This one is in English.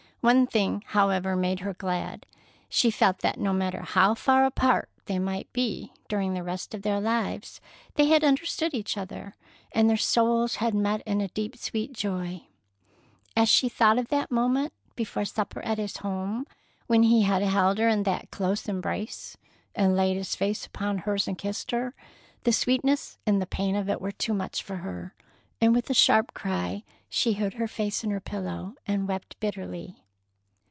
One thing, however, made her glad. She felt that no matter how far apart they might be during the rest of their lives, they had understood each other, and their souls had met in a deep, sweet joy. As she thought of the moment before supper at his home, when he had held her in that close embrace, and laid his face upon hers and kissed her, the sweetness and pain of it were too much for her, and with a sharp cry she hid her face in her pillow and wept bitterly.